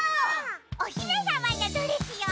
おひめさまのドレスよ！